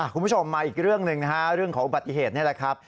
คุณผู้ชมมาอีกเรื่องหนึ่งนะฮะเรื่องของอุบัติเหตุนี่แหละครับ